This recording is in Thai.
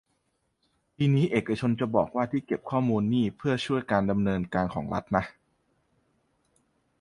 ทีนี้เอกชนอาจจะบอกว่า ที่เก็บข้อมูลนี่เพื่อช่วยการดำเนินการของรัฐนะ